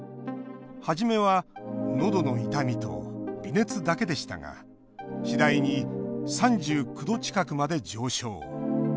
初めは、のどの痛みと微熱だけでしたが次第に３９度近くまで上昇。